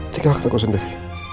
tinggal aku takut sendiri